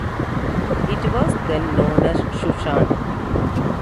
It was then known as Shushan.